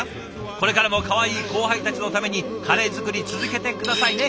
これからもかわいい後輩たちのためにカレー作り続けて下さいね。